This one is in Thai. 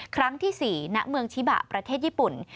ครั้งที่๔ณเมืองชิบะประเทศญี่ปุ่น